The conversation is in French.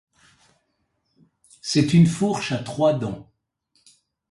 C'est une fourche à trois dents.